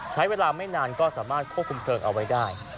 ใช้เวลาไม่นานก็สามารถควบคุมเพลิงเอาไว้ได้